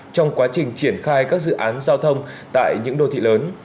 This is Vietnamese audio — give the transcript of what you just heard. trong quá trình triển khai các dự án giao thông tại những đô thị lớn